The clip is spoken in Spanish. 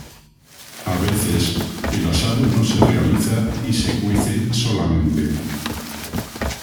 A veces, el asado no se realiza y se cuece solamente.